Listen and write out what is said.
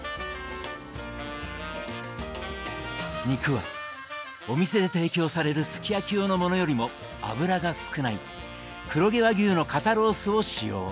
肉はお店で提供されるすき焼き用のものよりも脂が少ない黒毛和牛の肩ロースを使用。